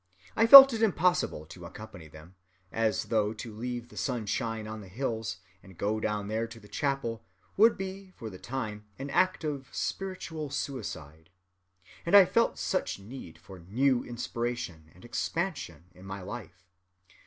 I felt it impossible to accompany them—as though to leave the sunshine on the hills, and go down there to the chapel, would be for the time an act of spiritual suicide. And I felt such need for new inspiration and expansion in my life.